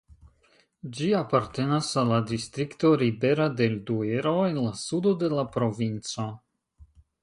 Ĝi apartenas al la distrikto Ribera del Duero en la sudo de la provinco.